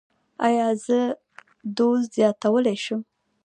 ایا زه دوز زیاتولی شم؟